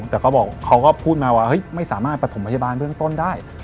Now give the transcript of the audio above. แต่เขาก็พูดมาว่าไม่สามารถปฐมพยาบาลเรื่องต้นได้